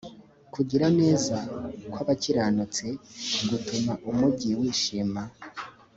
kugira neza kw abakiranutsi gutuma umugi wishima